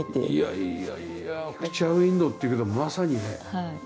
いやいやいやピクチャーウィンドーっていうけどまさにね